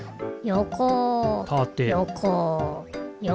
よこ。